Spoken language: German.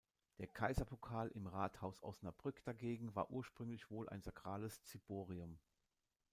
Der Kaiserpokal im Rathaus Osnabrück dagegen war ursprünglich wohl ein sakrales Ziborium.